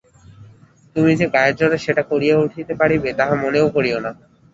তুমি যে গায়ের জোরে সেটা করিয়া উঠিতে পারিবে, তাহা মনেও করিয়ো না।